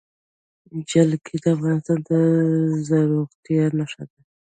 جلګه د افغانستان د زرغونتیا نښه ده.